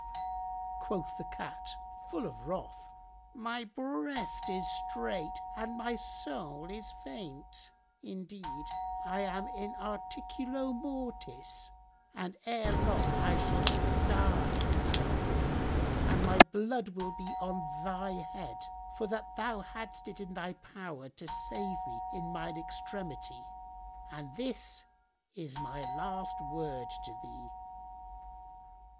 '" Quoth the Cat, full of wrath, "My breast is strait and my soul is faint: indeed I am in articulo mortis and ere long I shall die at thy door and my blood will be on thy head, for that thou hadst it in thy power to save me in mine extremity: and this is my last word to thee."